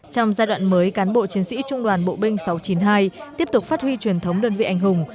trong giai đoạn mới cán bộ chiến sĩ trung đoàn bộ binh sáu trăm chín mươi hai tiếp tục phát huy truyền thống đơn vị anh hùng